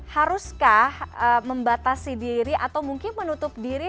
haruskah membatasi diri atau mungkin menutup diri